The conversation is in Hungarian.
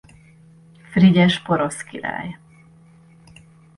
Frigyes porosz király.